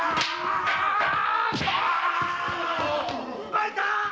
まいった！